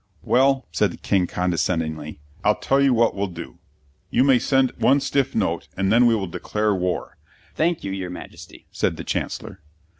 "Well," said the King condescendingly, "I'll tell you what we'll do. You may send one Stiff Note and then we will declare war." "Thank you, your Majesty," said the Chancellor.